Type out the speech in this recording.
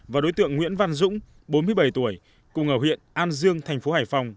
và đối tượng nguyễn văn dũng bốn mươi bảy tuổi cùng ở huyện an dương thành phố hải phòng